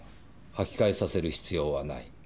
履き替えさせる必要はない。